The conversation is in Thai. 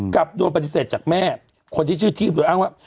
กลับโดนปฏิเสธจากแม่คนที่ชื่อทีพโดยอ้างว่า